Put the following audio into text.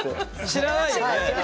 知らないよね？